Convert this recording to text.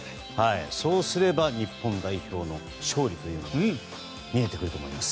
そうすれば日本代表の勝利は見えてくると思います。